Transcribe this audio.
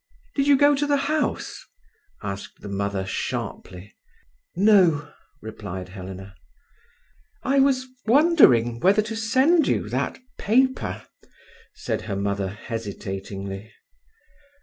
"Did you go to the house?" asked the mother sharply. "No," replied Helena. "I was wondering whether to send you that paper," said her mother hesitatingly.